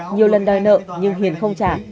nhiều lần đòi nợ nhưng hiền không trả